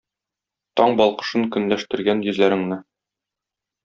Таң балкышын көнләштергән йөзләреңне.